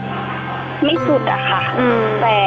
สวัสดีครับ